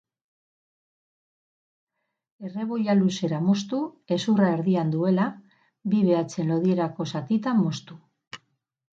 Erreboiloa luzera moztu, hezurra erdian duela, bi behatzen lodierako zatitan moztu.